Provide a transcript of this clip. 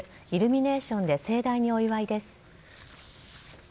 イルミネーションで盛大にお祝いです。